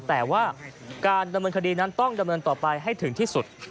แต่ว่าการดำเนินคดีนั้นต้องดำเนินต่อไปให้ถึงที่สุด